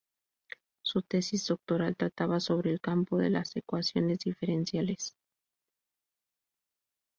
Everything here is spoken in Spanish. Su tesis doctoral trataba sobre el campo de las ecuaciones diferenciales.